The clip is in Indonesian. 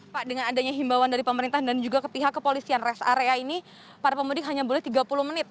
pak dengan adanya himbawan dari pemerintah dan juga ke pihak kepolisian res area ini para pemudik hanya boleh tiga puluh menit